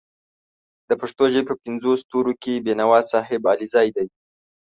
د پښتو ژبې په پینځو ستورو کې بېنوا صاحب علیزی دی